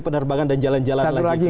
penerbangan dan jalan jalan lagi